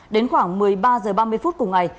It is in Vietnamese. đến khoảng một mươi ba h ba mươi phút cùng ngày